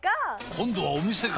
今度はお店か！